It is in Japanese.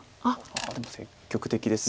でも積極的です。